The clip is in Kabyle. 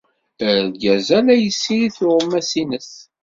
Argaz-a la yessirid tuɣmas-nnes.